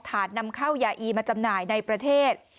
นำเข้ายาอีมาจำหน่ายในประเทศ